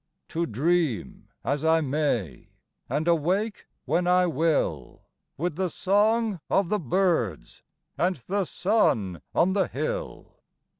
To dream as I may And awake when I will With the song of the birds And the sun on the hill.